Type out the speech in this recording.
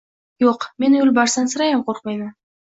Yo‘q, men yo‘lbarsdan sirayam qo‘rqmayman